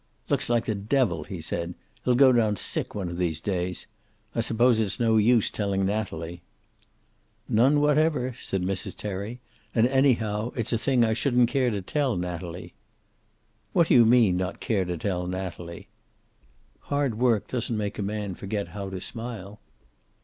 "Looks like the devil," he said. "He'll go down sick one of these days. I suppose it's no use telling Natalie." "None whatever," said Mrs. Terry. "And, anyhow, it's a thing I shouldn't care to tell Natalie." "What do you mean, not care to tell Natalie?" "Hard work doesn't make a man forget how to smile."